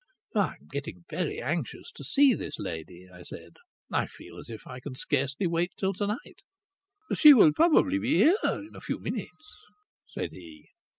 "I am getting very anxious to see this lady," I said. "I feel as if I can scarcely wait till to night." "She will probably be here in a few minutes," said he.